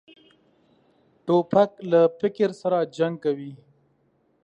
توپک له فکر سره جنګ کوي.